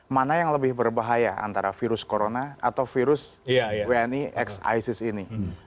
mana yang lebih berbahaya antara virus corona atau virus wni x isis ini